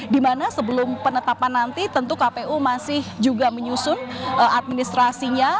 dimana sebelum penetapan nanti tentu kpu masih juga menyusun administrasinya